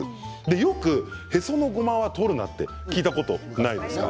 よく、へそのごまは取るなと聞いたことないですか。